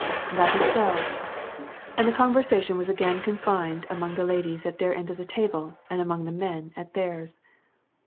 « That is so." And the conversation again was confined among the ladies at their end of the table and among the men at theirs.